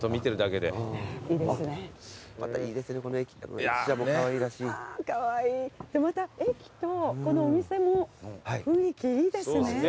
でまた駅とこのお店も雰囲気いいですね。